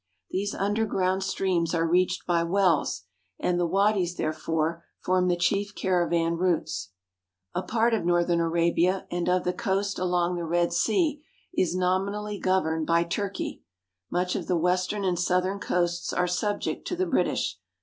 These underground streams are reached by wells, and the wadies, therefore, form the chief caravan routes. 338 ARABIA, OR LIFE IN THE DESERT A part of northern Arabia and of the coast along the Red Sea is nominally governed by Turkey. Much of the western and southern coasts are subject to the British.